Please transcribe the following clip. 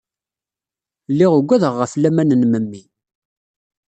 Lliɣ ugadeɣ ɣef laman n memmi.